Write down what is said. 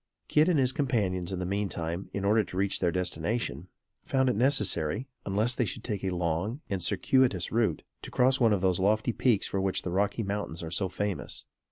Kit and his companions in the mean time, in order to reach their destination, found it necessary, unless they should take a long and circuitous route, to cross one of those lofty peaks for which the Rocky Mountains are so famous.